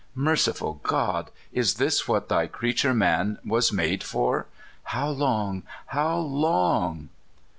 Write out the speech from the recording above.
Merciful God ! is this what th}^ creature man was made for? How long, how long?